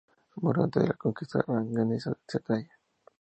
Murió durante la Conquista aragonesa de Cerdeña.